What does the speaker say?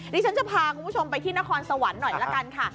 ดิฉันจะพาคุณผู้ชมไปที่นครสวรรค์หน่อยละกันค่ะ